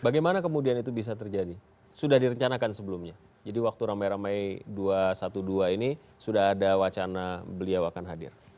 bagaimana kemudian itu bisa terjadi sudah direncanakan sebelumnya jadi waktu ramai ramai dua ratus dua belas ini sudah ada wacana beliau akan hadir